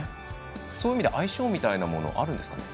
そういう意味で相性みたいなものはあるんですか？